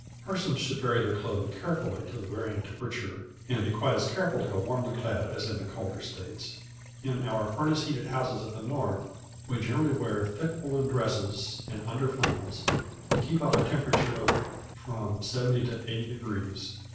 Persons should vary their clothing carefully to the varying temperature, and be quite as careful to go warmly clad as in colder States. In our furnace heated houses at the North we generally wear thick woollen dresses and under flannels, and keep up a temperature of from seventy to eighty degrees.